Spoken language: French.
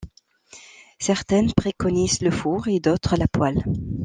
Certaines préconisent le four et d'autres la poêle.